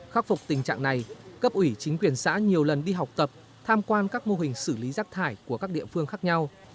khắc phục tình trạng này cấp ủy chính quyền xã nhiều lần đi học tập tham quan các mô hình xử lý rác thải của các địa phương khác nhau